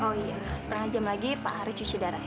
oh iya setengah jam lagi pak haris cuci darah